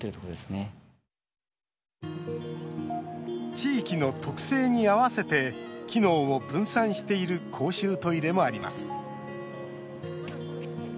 地域の特性に合わせて機能を分散している公衆トイレもあります。